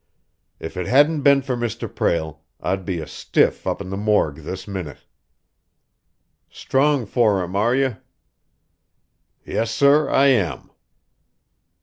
"If it hadn't been for Mr. Prale, I'd be a stiff up in the morgue this minute." "Strong for him, are you?" "Yes, sir, I am!"